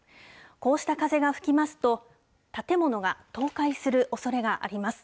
こうした風が吹きますと、建物が倒壊するおそれがあります。